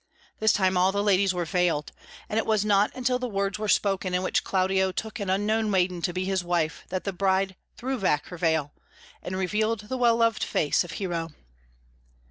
This time all the ladies were veiled, and it was not until the words were spoken in which Claudio took an unknown maiden to be his wife that the bride threw back her veil and revealed the well loved face of Hero.